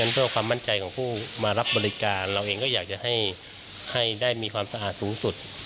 เพื่อความมั่นใจของผู้มารับบริการเราเองก็อยากจะให้ได้มีความสะอาดสูงสุด